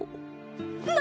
何？